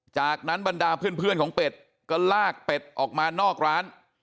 จากนั้นบรรดาเพื่อนของเป็ดก็ลากเป็ดออกมานอกร้าน